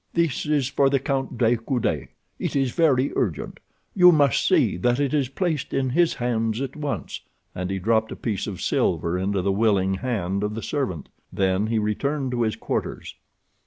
"This is for the Count de Coude. It is very urgent. You must see that it is placed in his hands at once," and he dropped a piece of silver into the willing hand of the servant. Then he returned to his quarters.